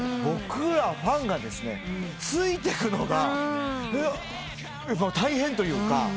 僕らファンがついてくのが大変というか。